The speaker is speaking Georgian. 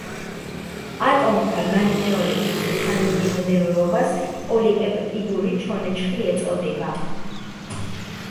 ატომთა განმეორებით თანმიმდევრობას, პოლიპეპტიდური ჩონჩხი ეწოდება.